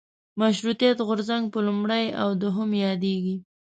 مشروطیت غورځنګ په لومړي او دویم یادېږي.